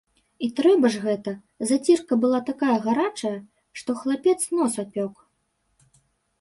І трэба ж гэта, зацірка была такая гарачая, што хлапец нос апёк.